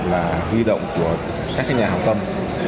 là huy động của các nhà hàng tâm